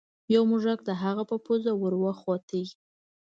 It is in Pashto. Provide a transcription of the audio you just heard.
یو موږک د هغه په پوزه ور وخوت.